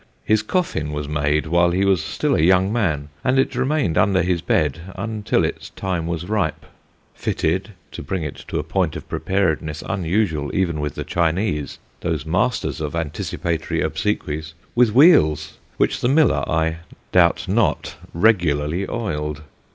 His coffin was made while he was still a young man, and it remained under his bed until its time was ripe, fitted to bring it to a point of preparedness unusual even with the Chinese, those masters of anticipatory obsequies with wheels, which the miller, I doubt not, regularly oiled.